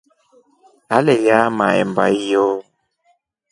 Aleyaa mahemba hiyo.